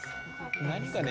何かね